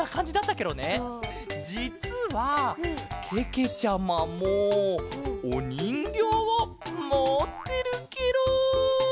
じつはけけちゃまもおにんぎょうをもってるケロ。